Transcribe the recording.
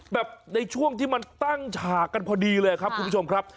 ในช่วงที่มันตั้งฉากกันพอดีเลยครับคุณผู้ชมครับ